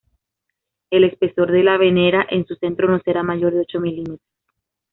El espesor de la Venera en su centro no será mayor de ocho milímetros.